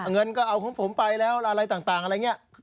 เงินก็เอาของผมไปแล้วอะไรต่างอะไรอย่างนี้